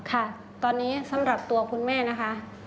ค่ะตอนนี้สำหรับตัวคุณแม่นะคะ